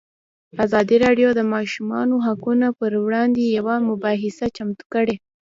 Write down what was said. ازادي راډیو د د ماشومانو حقونه پر وړاندې یوه مباحثه چمتو کړې.